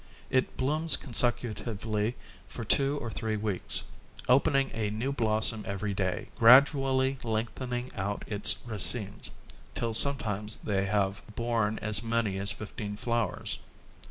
It blooms consecutively for two or three weeks, opening a new blossom each day, gradually lengthening out its racemes, till sometimes they have borne as many as fifteen flowers.